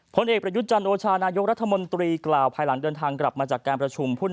ผลเอกประยุทธ์จันโอชานายกรัฐมนตรีกล่าวภายหลังเดินทางกลับมาจากการประชุม